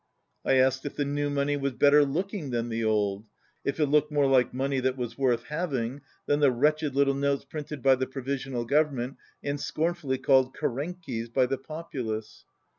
I asked if the new money was better looking than the old, if it looked more like money that was worth having than the wretched little notes printed by the Provisional Government and scorn fully called "Kerenkies" by the populace.